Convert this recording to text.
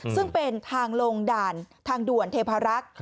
ซึ่งเป็นทางลงด่านทางด่วนเทพารักษ์